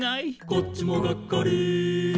「こっちもがっかり」